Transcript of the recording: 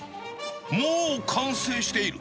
もう完成している。